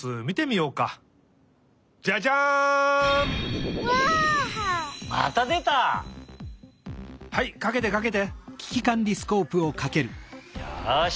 よし！